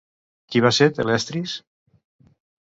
Qui va ser Talestris?